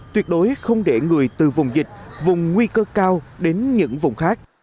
tuyệt đối không để người từ vùng dịch vùng nguy cơ cao đến những vùng khác